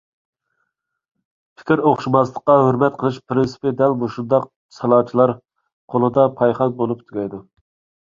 پىكىر ئوخشاشماسلىققا ھۆرمەت قىلىش پىرىنسىپى دەل مۇشۇنداق سالاچىلار قولىدا پايخان بولۇپ تۈگەيدۇ.